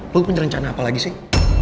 lo penyerencana apa lagi sih